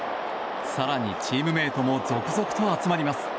更に、チームメートも続々と集まります。